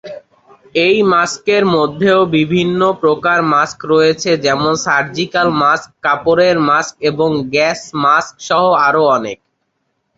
এই মাস্ক এর মধ্যেও বিভিন্ন প্রকার মাস্ক রয়েছে যেমন সার্জিক্যাল মাস্ক, কাপড়ের মাক্স এবং গ্যাস মাস্ক সহ আরও অনেক।